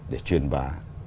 để truyền bá